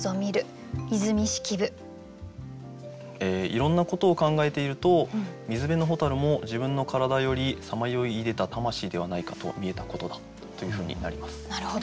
いろんなことを考えていると水辺の蛍も自分の体よりさまよい出でた魂ではないかと見えたことだというふうになります。